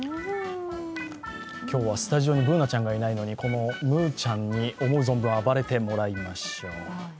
今日はスタジオにＢｏｏｎａちゃんがいないのでムーちゃんに思う存分暴れてもらいましょう。